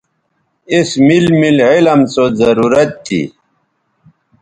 اس میل میل علم سو ضرورت تھی